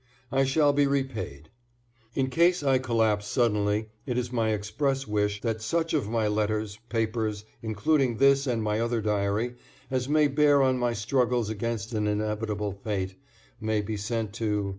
I shall be repaid. In case I collapse suddenly it is my express wish that such of my letters, papers, including this and my other diary, as may bear on my struggles against an inevitable fate, may be sent to